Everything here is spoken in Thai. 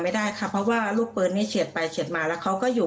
ไม่ได้ค่ะเพราะว่าลูกปืนนี้เฉียดไปเฉียดมาแล้วเขาก็อยู่